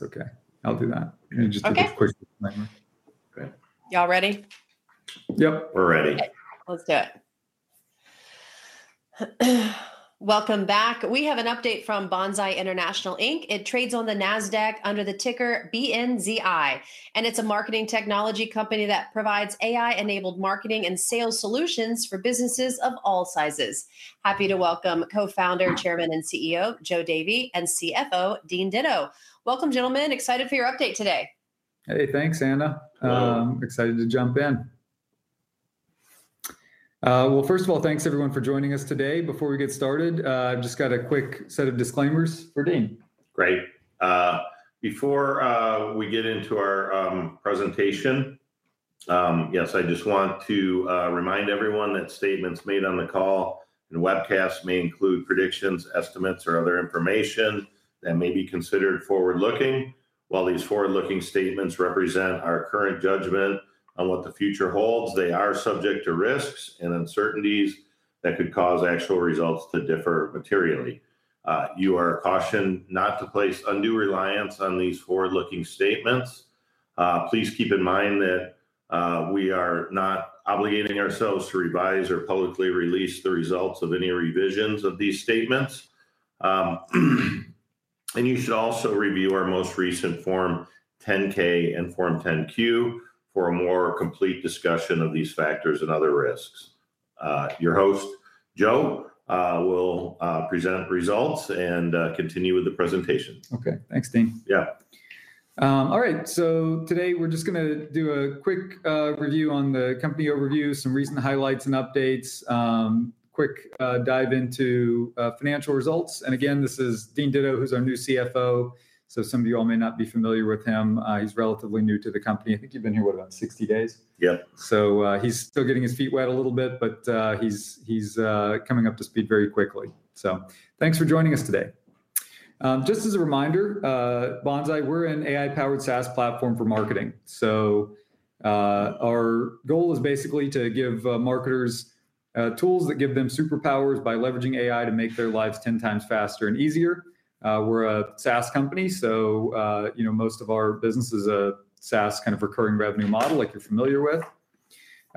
No, that's okay. I'll do that. You just take a quick look at my notes. Okay. You all ready? Yep, we're ready. Let's do it. Welcome back. We have an update from Banzai International Inc. It trades on the NASDAQ under the ticker BNZI. It's a marketing technology company that provides AI-enabled marketing and sales solutions for businesses of all sizes. Happy to welcome Co-founder, Chairman, and CEO, Joe Davy, and CFO, Dean Ditto. Welcome, gentlemen. Excited for your update today. Hey, thanks, Anna. Excited to jump in. First of all, thanks everyone for joining us today. Before we get started, I've just got a quick set of disclaimers for Dean. Great. Before we get into our presentation, I just want to remind everyone that statements made on the call and webcast may include predictions, estimates, or other information that may be considered forward looking. While these forward looking statements represent our current judgment on what the future holds, they are subject to risks and uncertainties that could cause actual results to differ materially. You are cautioned not to place undue reliance on these forward looking statements. Please keep in mind that we are not obligating ourselves to revise or publicly release the results of any revisions of these statements. You should also review our most recent Form 10-K and Form 10-Q for a more complete discussion of these factors and other risks. Your host, Joe, will present results and continue with the presentation. Okay. Thanks, Dean. Yeah. All right. Today we're just going to do a quick review on the company overview, some recent highlights and updates, a quick dive into financial results. Again, this is Dean Ditto, who's our new CFO. Some of you all may not be familiar with him. He's relatively new to the company. I think you've been here, what, about 60 days? Yep. He's still getting his feet wet a little bit, but he's coming up to speed very quickly. Thanks for joining us today. Just as a reminder, Banzai, we're an AI-powered SaaS platform for marketing. Our goal is basically to give marketers tools that give them superpowers by leveraging AI to make their lives 10 times faster and easier. We're a SaaS company, so most of our business is a SaaS kind of recurring revenue model like you're familiar with.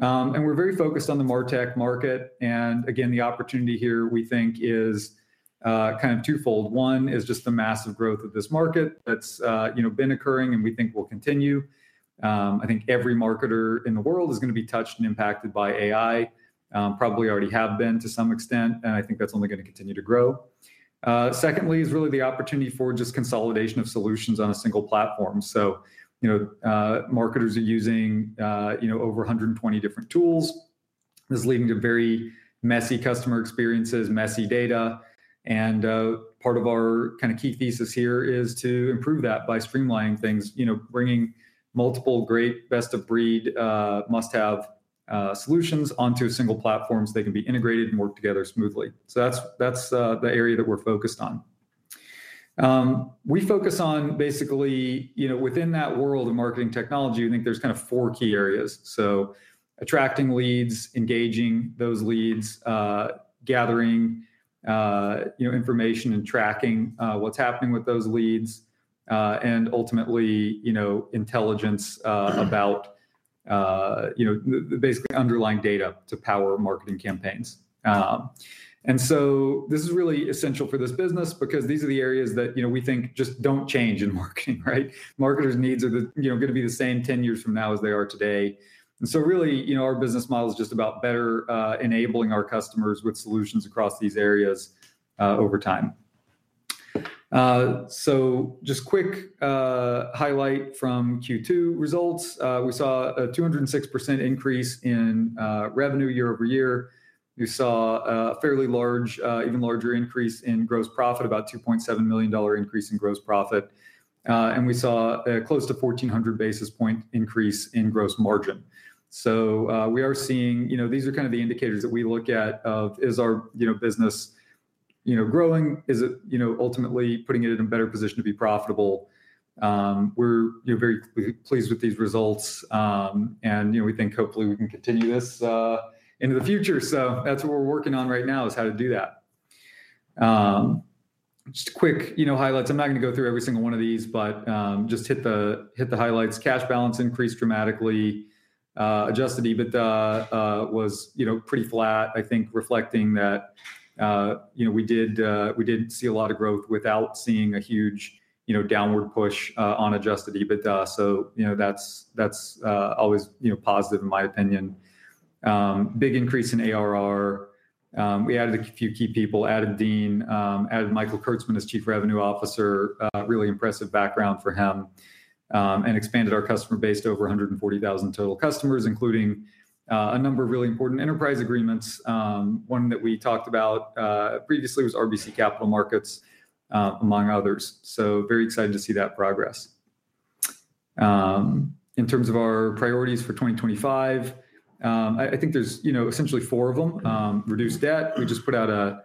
We're very focused on the martech market. The opportunity here we think is kind of twofold. One is just the massive growth of this market that's been occurring and we think will continue. I think every marketer in the world is going to be touched and impacted by AI, probably already have been to some extent, and I think that's only going to continue to grow. Secondly is really the opportunity for just consolidation of solutions on a single platform. Marketers are using over 120 different tools. This is leading to very messy customer experiences, messy data. Part of our kind of key thesis here is to improve that by streamlining things, bringing multiple great, best-of-breed, must-have solutions onto a single platform so they can be integrated and work together smoothly. That's the area that we're focused on. We focus on basically, within that world of marketing technology, I think there's kind of four key areas: attracting leads, engaging those leads, gathering information and tracking what's happening with those leads, and ultimately, intelligence about basically underlying data to power marketing campaigns. This is really essential for this business because these are the areas that we think just don't change in marketing, right? Marketers' needs are going to be the same 10 years from now as they are today. Our business model is just about better enabling our customers with solutions across these areas over time. Just a quick highlight from Q2 results. We saw a 206% increase in revenue year over year. We saw a fairly large, even larger increase in gross profit, about a $2.7 million increase in gross profit. We saw a close to 1,400 basis point increase in gross margin. We are seeing these are kind of the indicators that we look at of is our business growing? Is it ultimately putting it in a better position to be profitable? We're very pleased with these results. We think hopefully we can continue this into the future. That's what we're working on right now, how to do that. Just a quick, you know, highlights. I'm not going to go through every single one of these, just hit the highlights. Cash balance increased dramatically. Adjusted EBITDA was pretty flat, I think reflecting that we didn't see a lot of growth without seeing a huge downward push on adjusted EBITDA. That's always positive in my opinion. Big increase in annual recurring revenue. We added a few key people, added Dean Ditto, added Michael Kurtzman as Chief Revenue Officer. Really impressive background for him. Expanded our customer base to over 140,000 total customers, including a number of really important enterprise agreements. One that we talked about previously was RBC Capital Markets, among others. Very excited to see that progress. In terms of our priorities for 2025, I think there's essentially four of them. Reduced debt. We just put out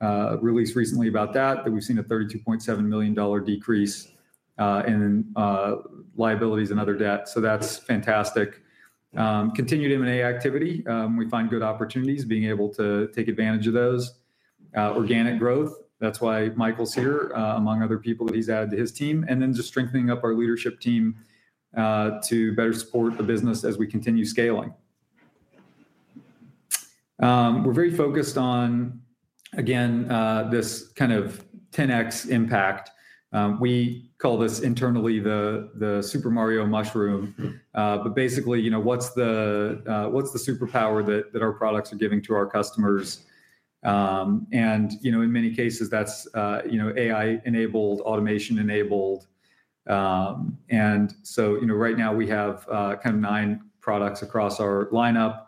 a release recently about that, that we've seen a $32.7 million decrease in liabilities and other debt. That's fantastic. Continued M&A activity. We find good opportunities being able to take advantage of those. Organic growth. That's why Michael's here, among other people that he's added to his team. Strengthening up our leadership team to better support the business as we continue scaling. We're very focused on, again, this kind of 10X impact. We call this internally the Super Mario mushroom. Basically, what's the superpower that our products are giving to our customers? In many cases, that's AI-enabled, automation-enabled. Right now we have kind of nine products across our lineup.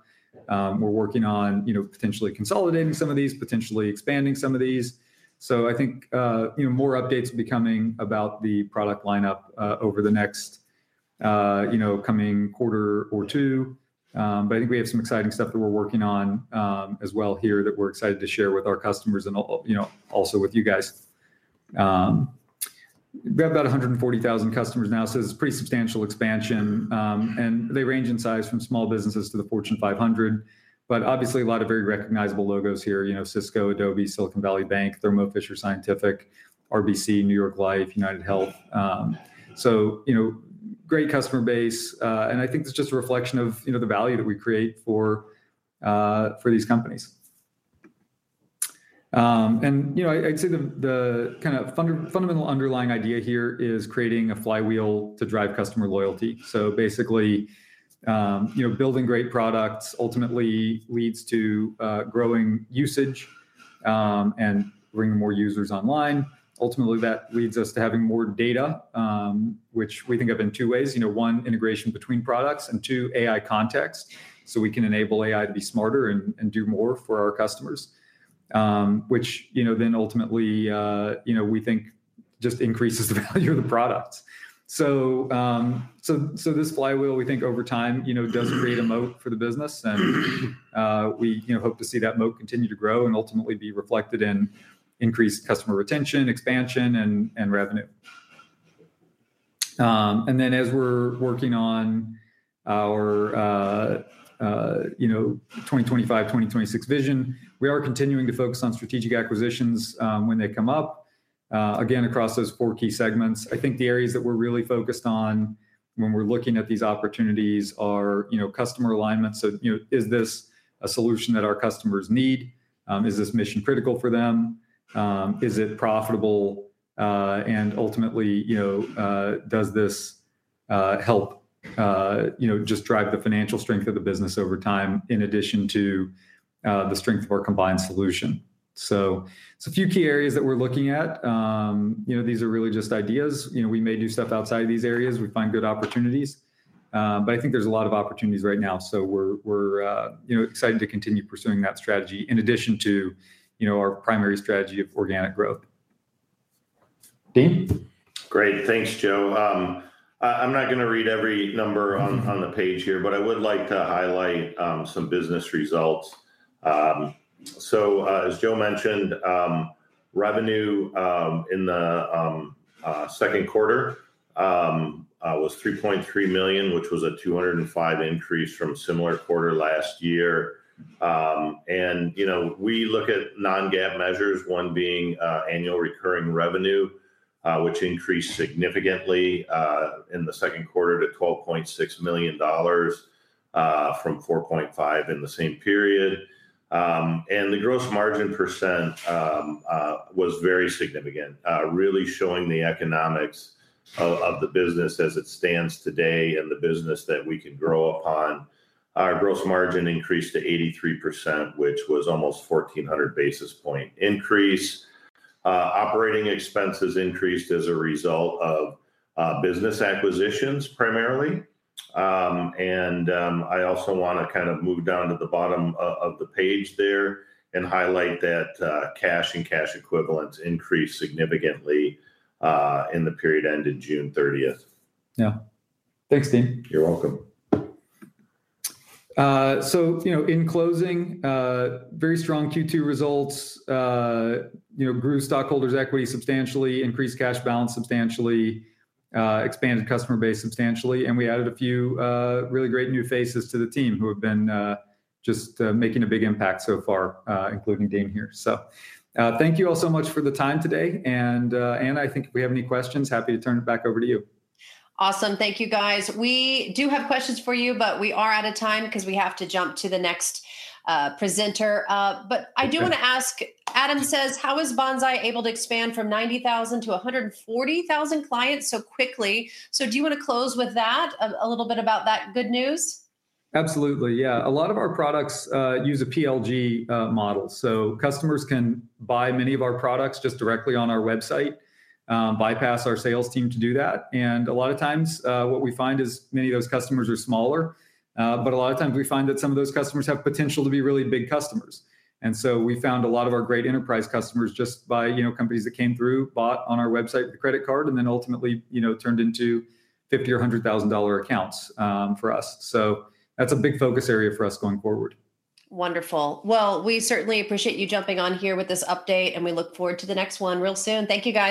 We're working on potentially consolidating some of these, potentially expanding some of these. More updates will be coming about the product lineup over the next coming quarter or two. I think we have some exciting stuff that we're working on as well here that we're excited to share with our customers and also with you guys. We have about 140,000 customers now, so it's a pretty substantial expansion. They range in size from small businesses to the Fortune 500. Obviously, a lot of very recognizable logos here, Cisco, Adobe, Silicon Valley Bank, Thermo Fisher Scientific, RBC Capital Markets, New York Life, UnitedHealth. Great customer base. I think it's just a reflection of the value that we create for these companies. I'd say the kind of fundamental underlying idea here is creating a flywheel to drive customer loyalty. Basically, building great products ultimately leads to growing usage and bringing more users online. Ultimately, that leads us to having more data, which we think of in two ways: one, integration between products, and two, AI context. We can enable AI to be smarter and do more for our customers, which ultimately increases the value of the product. This flywheel, we think over time, does create a moat for the business. We hope to see that moat continue to grow and ultimately be reflected in increased customer retention, expansion, and revenue. As we're working on our 2025-2026 vision, we are continuing to focus on strategic acquisitions when they come up. Across those four key segments, I think the areas that we're really focused on when we're looking at these opportunities are customer alignment. Is this a solution that our customers need? Is this mission critical for them? Is it profitable? Ultimately, does this help drive the financial strength of the business over time in addition to the strength of our combined solution? It's a few key areas that we're looking at. These are really just ideas. We may do stuff outside of these areas if we find good opportunities. I think there's a lot of opportunities right now. We're excited to continue pursuing that strategy in addition to our primary strategy of organic growth. Dean? Great. Thanks, Joe. I'm not going to read every number on the page here, but I would like to highlight some business results. As Joe mentioned, revenue in the second quarter was $3.3 million, which was a $205,000 increase from a similar quarter last year. We look at non-GAAP measures, one being annual recurring revenue, which increased significantly in the second quarter to $12.6 million from $4.5 million in the same period. The gross margin % was very significant, really showing the economics of the business as it stands today and the business that we can grow upon. Our gross margin increased to 83%, which was almost a 1,400 basis point increase. Operating expenses increased as a result of business acquisitions primarily. I also want to move down to the bottom of the page there and highlight that cash and cash equivalents increased significantly in the period ended June 30. Yeah, thanks, Dean. You're welcome. In closing, very strong Q2 results. Grew stockholders’ equity substantially, increased cash balance substantially, expanded customer base substantially. We added a few really great new faces to the team who have been just making a big impact so far, including Dean here. Thank you all so much for the time today. Anna, I think if we have any questions, happy to turn it back over to you. Awesome. Thank you, guys. We do have questions for you, but we are out of time because we have to jump to the next presenter. I do want to ask, Adam says, how is Banzai able to expand from 90,000 to 140,000 clients so quickly? Do you want to close with that, a little bit about that good news? Absolutely. Yeah. A lot of our products use a PLG model. Customers can buy many of our products just directly on our website, bypass our sales team to do that. A lot of times what we find is many of those customers are smaller. A lot of times we find that some of those customers have potential to be really big customers. We found a lot of our great enterprise customers just by companies that came through, bought on our website with a credit card, and then ultimately turned into $50,000 or $100,000 accounts for us. That's a big focus area for us going forward. Wonderful. We certainly appreciate you jumping on here with this update, and we look forward to the next one real soon. Thank you, Adam.